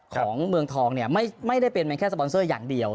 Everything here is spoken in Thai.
ของเมืองทองเนี่ยไม่ได้เป็นแค่สปอนเซอร์อย่างเดียว